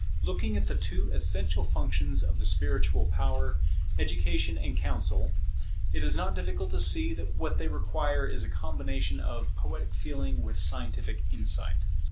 Looking at the two essential functions of the spiritual power, education and counsel, it is not difficult to see that what they require is a combination of poetic feeling with scientific insight.